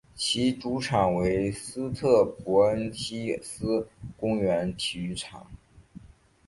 其主场为斯特伯恩希思公园体育场。